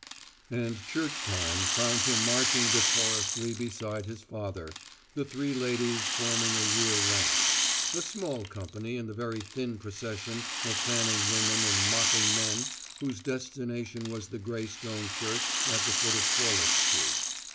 And church time found him marching decorously beside his father, the three ladies forming a rear rank; a small company in the very thin procession of fanning women and mopping men whose destination was the gray stone church at the foot of Corliss Street.